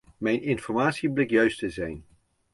Mijn informatie bleek juist te zijn.